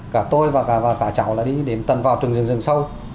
cả tôi và cả cháu đã đi tần vào trường rừng sâu